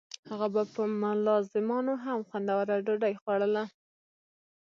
هغه به په ملازمانو هم خوندوره ډوډۍ خوړوله.